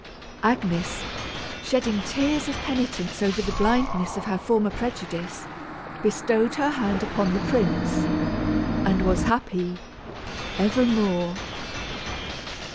Agnes, shedding tears of penitence over the blindness of her former prejudice, bestowed her hand upon the prince, and was happy evermore.